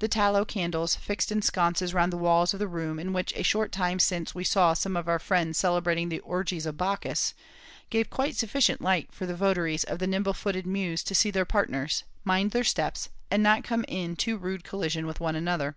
The tallow candles, fixed in sconces round the walls of the room, in which a short time since we saw some of our friends celebrating the orgies of Bacchus, gave quite sufficient light for the votaries of the nimble footed muse to see their partners, mind their steps, and not come in too rude collision with one another.